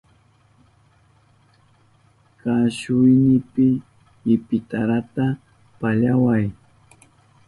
Kashuynipi ipitarata pallaway.